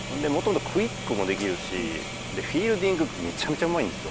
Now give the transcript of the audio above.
クイックもできるしでフィールディングめちゃめちゃうまいんですよ。